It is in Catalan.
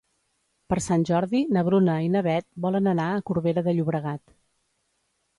Per Sant Jordi na Bruna i na Beth volen anar a Corbera de Llobregat.